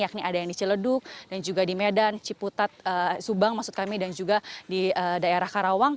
yakni ada yang di ciledug dan juga di medan ciputat subang maksud kami dan juga di daerah karawang